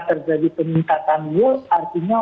terjadi peningkatan world artinya